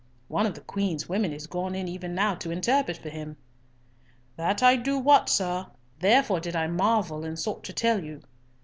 One of the Queen's women is gone in even now to interpret for him." "That do I wot, sir. Therefore did I marvel, and sought to tell you."